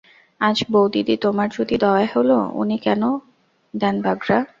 আজ বউদিদি, তোমার যদি দয়া হল উনি কেন দেন বাগড়া।